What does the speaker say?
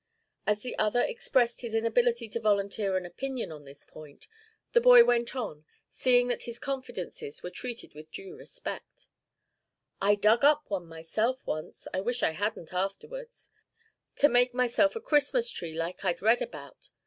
As the other expressed his inability to volunteer an opinion on this point, the boy went on, seeing that his confidences were treated with due respect: 'I dug up one myself once I wished I hadn't afterwards to make myself a Christmas tree like I'd read about.